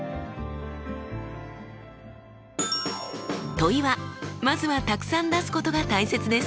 問いはまずはたくさん出すことが大切です。